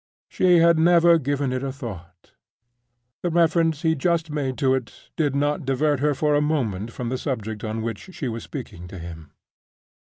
She had never given it a thought. The reference he had just made to it did not divert her for a moment from the subject on which she was speaking to him.